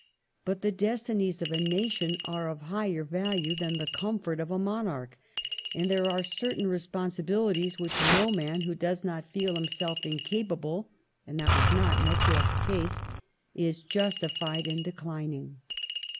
But the destinies of a nation are of higher value than the comfort of a mon arch, and there are certain responsibilities which no man who does not feel himself incapable (and that was not Necker's case) is justified in declin ing.